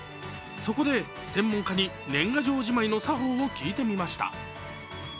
そこで専門家に年賀状じまいの作法を聞いてみました。